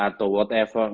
atau apa pun